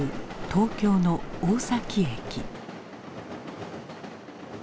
東京の大崎駅。